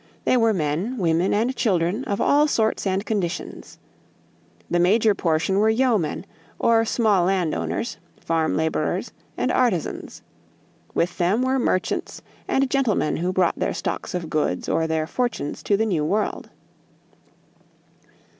They were men, women, and children of "all sorts and conditions." The major portion were yeomen, or small land owners, farm laborers, and artisans. With them were merchants and gentlemen who brought their stocks of goods or their fortunes to the New World.